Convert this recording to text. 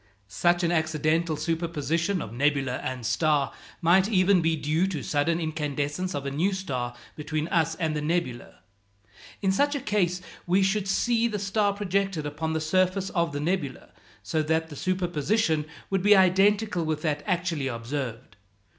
Such an accidental superposition of nebula and star might even be due to sudden incandescence of a new star between us and the nebula. In such a case we should see the star projected upon the surface of the nebula, so that the superposition would be identical with that actually observed.